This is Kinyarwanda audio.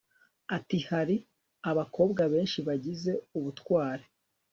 ati hari abakobwa benshi bagize ubutwari